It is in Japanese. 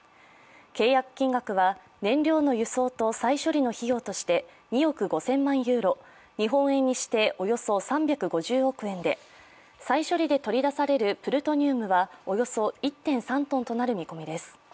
契約金額は燃料の輸送と再処理の費用として２億５０００万ユーロ、日本円にしておよそ３５０億円で再処理で取り出されるプルトニウムはおよそ１．３ｔとなる見込みです。